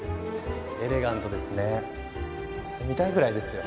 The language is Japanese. エレガントですね住みたいぐらいですよ。